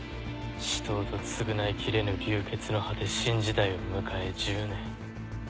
死闘と償いきれぬ流血の果て新時代を迎え１０年。